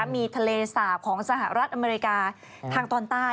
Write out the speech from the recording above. มีทะเลสาบของสหรัฐอเมริกาทางตอนใต้